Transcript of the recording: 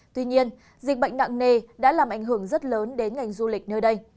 tuy nhiên dịch bệnh nặng nề đã làm ảnh hưởng rất lớn đến ngành du lịch nơi đây